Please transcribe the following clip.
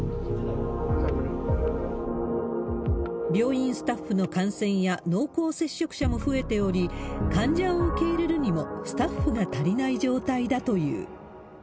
病院スタッフの感染や濃厚接触者も増えており、患者を受け入れるにもスタッフが足りない状態だという。